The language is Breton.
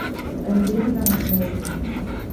un den war e blaen